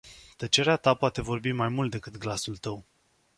Tăcerea ta poate vorbi mai mult decât glasul tău.